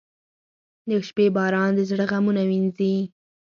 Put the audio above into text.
• د شپې باران د زړه غمونه وینځي.